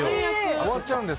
終わっちゃうんです。